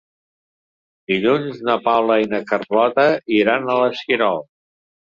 Dilluns na Paula i na Carlota iran a l'Esquirol.